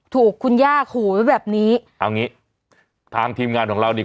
ถูกคุณย่าขู่ไว้แบบนี้เอางี้ทางทีมงานของเรานี่